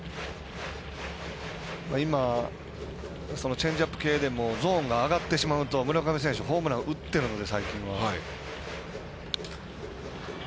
チェンジアップ系でもゾーンが上がってしまうと村上選手、ホームラン打ってるので、最近は。